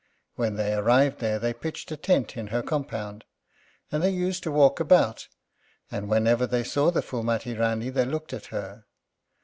When they arrived there they pitched a tent in her compound, and they used to walk about, and whenever they saw the Phúlmati Rání they looked at her.